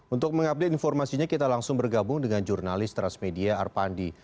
untuk mengupdate informasinya kita langsung bergabung dengan jurnalis transmedia arpandi